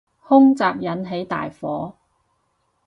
空襲引起大火